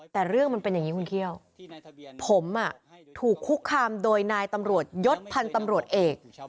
แต่เรื่องมันเป็นอย่างนี้คุณเขี้ยวผมถูกคุกคามโดยนายตำรวจยศพันธ์ตำรวจเอก